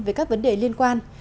với các vấn đề liên quan